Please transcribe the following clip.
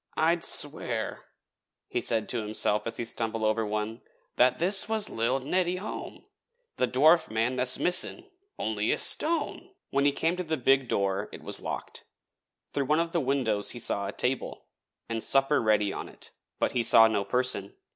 'I'd swear,' he said to himself as he stumbled over one, 'that this was lil' Neddy Hom, the dwarf man tha's missin', only it's stone.' When he came to the big door it was locked. Through one of the windows he saw a table, and supper ready on it, but he saw no person.